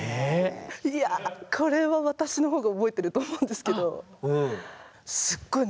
いやこれは私のほうが覚えてると思うんですけどすっごい